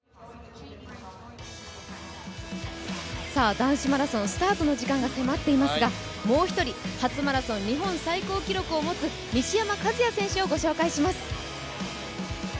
男子マラソン、スタートの時間が迫っていますがもう一人初マラソン日本最高記録を持つ西山和弥選手をご紹介します。